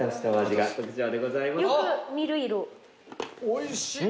おいしい！